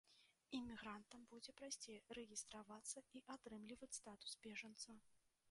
Імігрантам будзе прасцей рэгістравацца і атрымліваць статус бежанца.